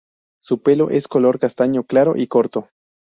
Su pelo es color castaño claro y corto.